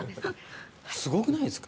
すごくないですか？